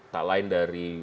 tak lain dari